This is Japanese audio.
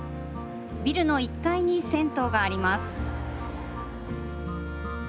ビルの１階に銭湯があります。